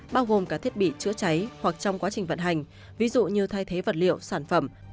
bao gồm cả thiết bị chữa cháy hoặc trong quá trình vận hành ví dụ như thay thế vật liệu sản phẩm